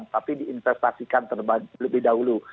tapi diinvestasikan terlebih dahulu